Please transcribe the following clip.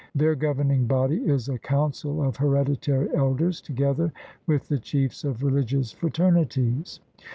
Their govern ing body is a council of hereditary elders together with the chiefs of rehgious fraternities.